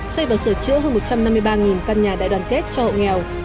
xây và sửa chữa hơn một trăm năm mươi ba căn nhà đại đoàn kết cho hộ nghèo